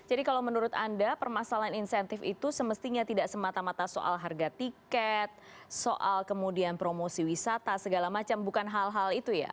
jadi kalau menurut anda permasalahan insentif itu semestinya tidak semata mata soal harga tiket soal kemudian promosi wisata segala macam bukan hal hal itu ya